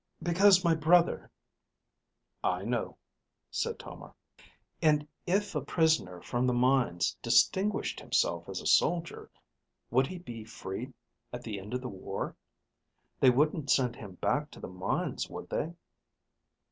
"Because my brother...." "I know," said Tomar. "And if a prisoner from the mines distinguished himself as a soldier, would he be freed at the end of the war? They wouldn't send him back to the mines, would they?"